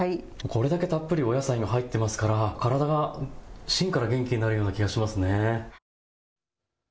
これだけたっぷりお野菜が入ってますから体が芯から元気になるような気がしますね。